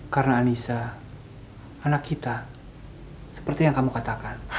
karena anissa anak kita seperti yang kamu katakan